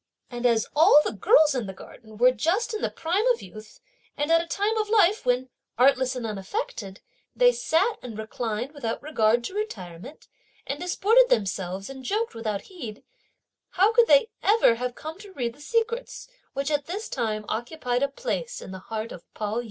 And as all the girls in the garden were just in the prime of youth, and at a time of life when, artless and unaffected, they sat and reclined without regard to retirement, and disported themselves and joked without heed, how could they ever have come to read the secrets which at this time occupied a place in the heart of Pao yü?